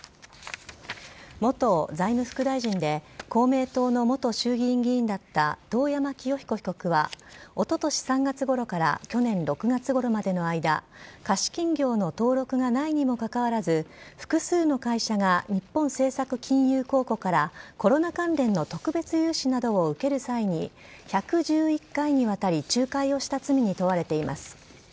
元財務副大臣で、公明党の元衆議院議員だった遠山清彦被告はおととし３月ごろから去年６月ごろまでの間、貸金業の登録がないにもかかわらず、複数の会社が日本政策金融公庫からコロナ関連の特別融資などを受ける際に、１１１回にわたり仲介をした罪に問われています。